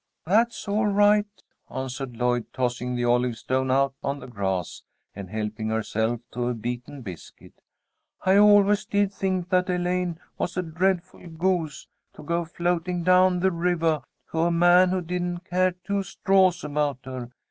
"That's all right," answered Lloyd, tossing the olive stone out on the grass, and helping herself to a beaten biscuit. "I always did think that Elaine was a dreadful goose to go floating down the rivah to a man who didn't care two straws about her.